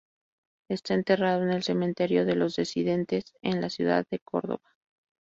Está enterrado en el "cementerio de los disidentes" en la ciudad de Córdoba.